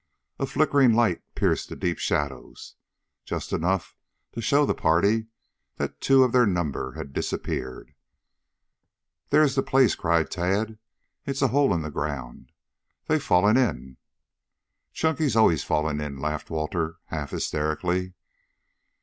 A flickering light pierced the deep shadows, just enough to show the party that two of their number had disappeared. "There is the place," cried Tad. "It's a hole in the ground. They've fallen in." "Chunky's always falling in," laughed Walter half hysterically.